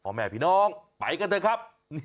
พ่อแม่พี่น้องไปกันเถอะครับ